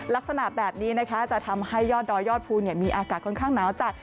ลักษณะแบบนี้นะคะจะทำให้ยอดดอยยอดภูมิมีอากาศค่อนข้างหนาวจัด